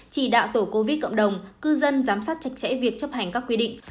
chỉ đạo tổ covid cộng đồng cư dân giám sát chặt chẽ việc chấp hành các quy định